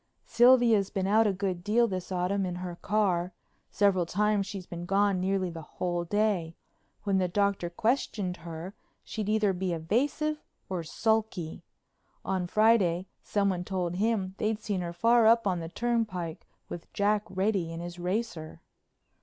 Sylvia's been out a good deal this autumn in her car; several times she's been gone nearly the whole day. When the Doctor questioned her she'd either be evasive or sulky. On Friday someone told him they'd seen her far up on the turnpike with Jack Reddy in his racer."